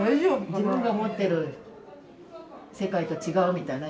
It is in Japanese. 自分が思ってる世界と違うみたいな。